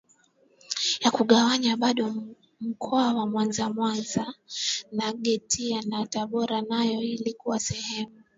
ya kugawanywa bado mkoa wa MwanzaMwanza na Geita na Tabora nayo ilikuwa sehemu